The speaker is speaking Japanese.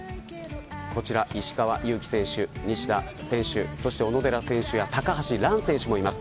こちら石川祐希選手、西田選手小野寺選手や高橋藍選手もいます。